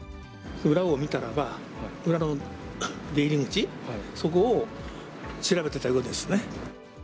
裏を見たらば、裏の出入り口、そこを調べてたようですね。